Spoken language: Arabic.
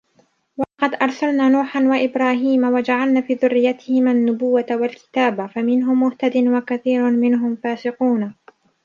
وَلَقَد أَرسَلنا نوحًا وَإِبراهيمَ وَجَعَلنا في ذُرِّيَّتِهِمَا النُّبُوَّةَ وَالكِتابَ فَمِنهُم مُهتَدٍ وَكَثيرٌ مِنهُم فاسِقونَ